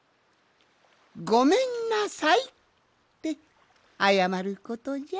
「ごめんなさい」ってあやまることじゃ。